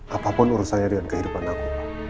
apapun urusannya dengan kehidupan aku